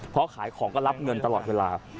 เพราะขายของก็รับเงินตลอดเวลา